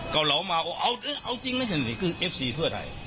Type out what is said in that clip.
กล่าวเหมาะเอาจริงไหมที่นี่คือเอฟซีเผื่อไทย